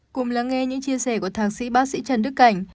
cùng lắng nghe những chia sẻ của thạc sĩ bác sĩ trần đức cảnh